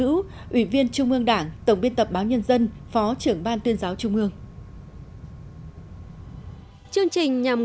ủy viên trung ương đảng tổng biên tập báo nhân dân phó trưởng ban tuyên giáo trung ương